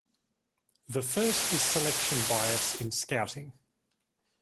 The first is selection bias in scouting.